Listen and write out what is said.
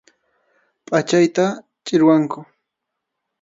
Pʼachayta quchiriwanku.